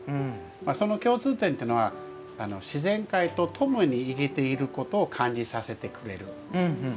その共通点というのは自然界と共に生きていることを感じさせてくれる。